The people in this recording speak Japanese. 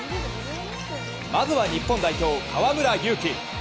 まずは日本代表、河村勇輝。